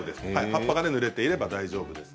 葉っぱがぬれていれば大丈夫です。